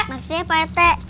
makasih ya parete